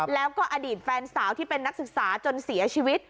แล้วก็อดีตแฟนสาวที่เป็นนักศึกษาจนเสียชีวิต